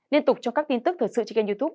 liên tục trong các tin tức thời sự trên kênh youtube